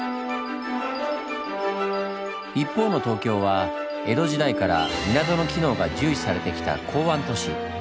一方の東京は江戸時代から港の機能が重視されてきた港湾都市。